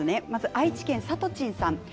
愛知県の方からです。